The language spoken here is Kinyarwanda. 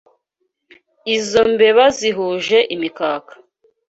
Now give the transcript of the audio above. Izo mbeba zihuje imikaka